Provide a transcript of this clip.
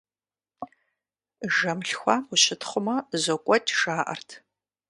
Жэм лъхуам ущытхъумэ, зокӀуэкӀ, жаӀэрт.